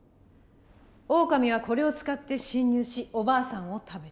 オオカミはこれを使って侵入しおばあさんを食べた。